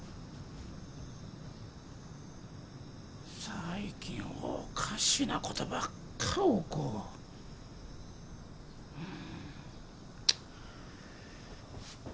最近おかしな事ばっか起こう。